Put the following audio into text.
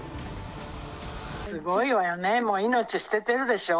すごいわよね、もう命捨ててるでしょ？